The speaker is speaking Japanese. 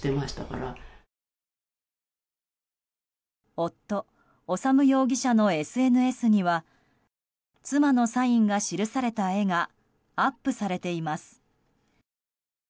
夫・修容疑者のＳＮＳには妻のサインが記された絵がアップされています。